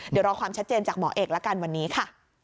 เดี๋ยวรอความชัดเจนจากหมอเอกแล้วกันวันนี้ค่ะ